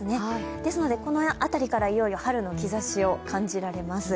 ですからこの辺りからいよいよ春の兆しを感じられます。